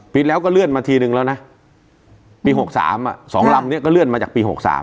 ปีแล้วก็เลื่อนมาทีนึงแล้วนะปี๖๓๒ลำนี้ก็เลื่อนมาจากปี๖๓